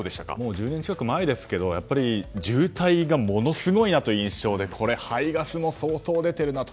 １０年近く前ですが渋滞がものすごいなという印象で排ガスも相当出ているなと。